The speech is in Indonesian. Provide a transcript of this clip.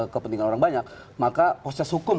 kepentingan orang banyak maka proses hukum